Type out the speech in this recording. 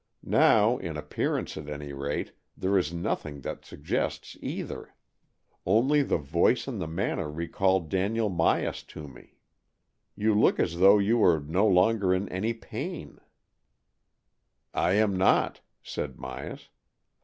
Now, in appearance at any rate, there is nothing that suggests either. Only the voice and the manner recall Daniel Myas to me. You look as though you were no longer in any pain." 204 AN EXCHANGE OF SOULS " I am not/' said Myas.